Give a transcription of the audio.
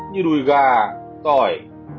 như đùi gà tỏi